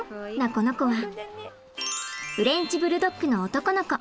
この子はフレンチ・ブルドッグの男の子。